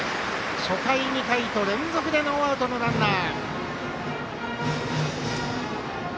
初回、２回と連続でノーアウトのランナー。